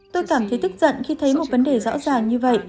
tôi cảm thấy tức giận khi thấy một vấn đề rõ ràng như vậy